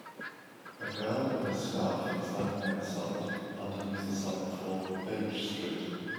A girl in a scarf standing outside underneath a sign for Bage street.